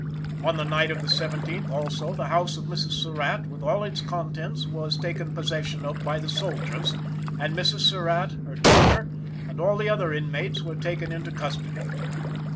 On the night of the seventeenth, also, the house of Mrs. Surratt with all its contents was taken possession of by the soldiers, and Mrs. Surratt, her daughter, and all the other inmates were taken into custody.